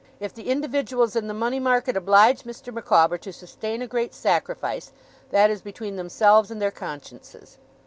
If the individuals in the Money Market oblige Mr. Micawber to sustain a great sacrifice, that is between themselves and their consciences.